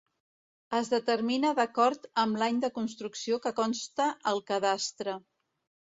Es determina d'acord amb l'any de construcció que consta al cadastre.